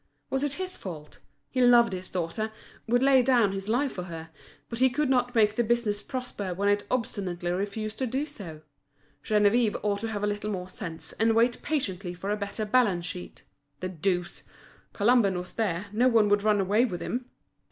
Was it his fault? He loved his daughter—would lay down his life for her; but he could not make the business prosper when it obstinately refused to do so. Geneviève ought to have a little more sense, and wait patiently for a better balance sheet. The deuce! Colomban was there, no one would run away with him!